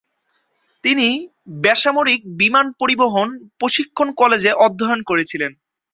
তিনি বেসামরিক বিমান পরিবহন প্রশিক্ষণ কলেজে অধ্যয়ন করেছিলেন।